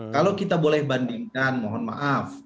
kalau kita boleh bandingkan mohon maaf